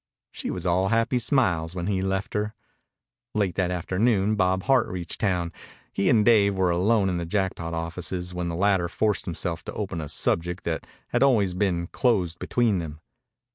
She was all happy smiles when he left her. Late that afternoon Bob Hart reached town. He and Dave were alone in the Jackpot offices when the latter forced himself to open a subject that had always been closed between them.